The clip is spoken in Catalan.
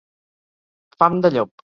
Fam de llop.